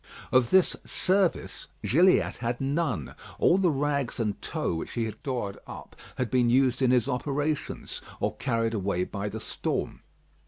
Of this "service," Gilliatt had none. All the rags and tow which he had stored up had been used in his operations, or carried away by the storm.